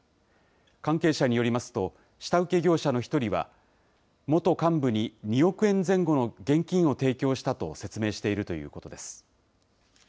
関係者によりますと、下請け業者の一人は、元幹部に２億円前後の現金を提供したと説明しているということです。